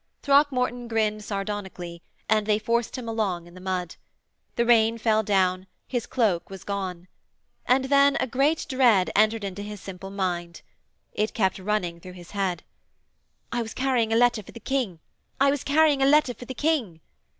Throckmorton grinned sardonically, and they forced him along in the mud. The rain fell down; his cloak was gone. And then a great dread entered into his simple mind. It kept running through his head: 'I was carrying a letter for the King I was carrying a letter for the King!'